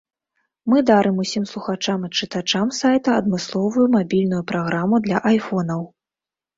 Мы дарым усім слухачам і чытачам сайта адмысловую мабільную праграму для айфонаў.